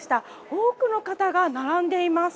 多くの方が並んでいます。